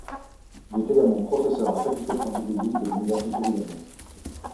Il est également professeur à la Faculté de Santé Publique de l’Université libanaise.